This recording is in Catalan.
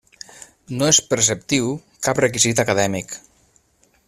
No és preceptiu cap requisit acadèmic.